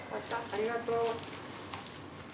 ありがとう。